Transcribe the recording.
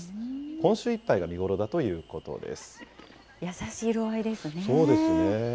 今週いっぱいが見頃だということです。